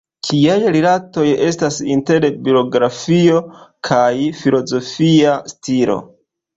Kiaj rilatoj estas inter biografio kaj filozofia stilo?